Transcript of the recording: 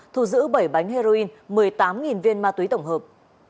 thu giữ bảy bánh heroin một mươi tám viên ma túy tổng hợp